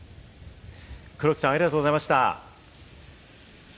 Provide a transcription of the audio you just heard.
黒木さん、ありがとうございました。